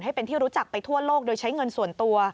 ให้เป็นที่รู้จักไปทั่วโลกโดยใช้เงินส่วนตัว